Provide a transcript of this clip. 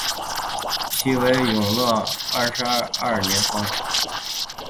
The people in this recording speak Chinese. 其为永乐二十二年封。